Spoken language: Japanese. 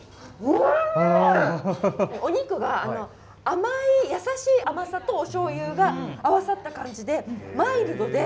お肉が甘い優しい甘さとおしょうゆが合わさった感じでマイルドで。